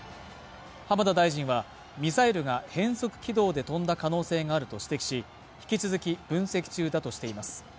浜田大臣は、ミサイルが変則軌道で飛んだ可能性があると指摘し、引き続き分析中だとしています。